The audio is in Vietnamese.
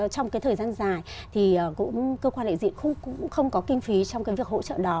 cơ quan đại diện cũng không có kinh phí trong việc hỗ trợ đó